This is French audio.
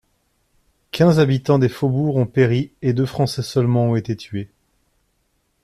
Quinze habitans des faubourgs ont péri et deux Français seulement ont été tués.